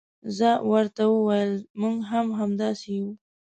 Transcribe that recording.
زه ورته وویل موږ هم همداسې یو.